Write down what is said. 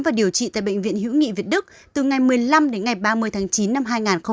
và điều trị tại bệnh viện hữu nghị việt đức từ ngày một mươi năm đến ngày ba mươi tháng chín năm hai nghìn hai mươi